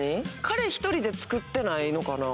彼一人で作ってないのかな？